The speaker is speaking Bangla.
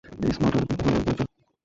এই স্মার্ট টয়লেটগুলো কখনো ব্যবহার করেছো?